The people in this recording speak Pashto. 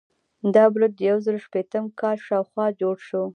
دا برج د یو زرو شپیتم کال شاوخوا جوړ شو.